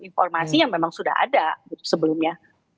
informasi yang memang sudah ada sebelumnya